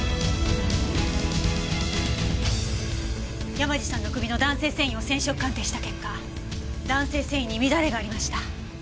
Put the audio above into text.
山路さんの首の弾性繊維を染色鑑定した結果弾性繊維に乱れがありました。